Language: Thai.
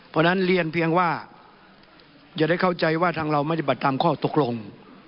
เพราะฉะนั้นเรียนเพียงว่าอย่าได้เข้าใจว่าทางเราไม่ได้บัดตามข้อตกลง